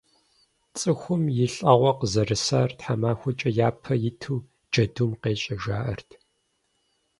ЦӀыхум и лӀэгъуэ къызэрысар тхьэмахуэкӀэ япэ иту джэдум къещӀэ, жаӀэрт.